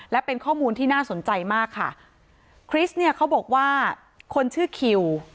และเป็นข้อมูลที่น่าสนใจมากค่ะคริสเนี่ยเขาบอกว่าคนชื่อคิว